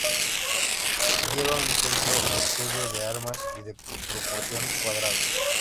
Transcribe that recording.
Lleva en su centro escudo de armas y de proporción cuadrada.